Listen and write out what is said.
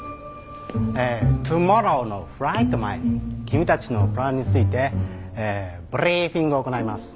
トゥモローのフライト前に君たちのプランについてブリーフィングを行います。